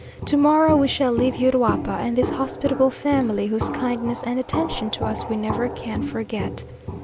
To morrow we shall leave Uruapa and this hospitable family, whose kindness and attention to us we never can forget.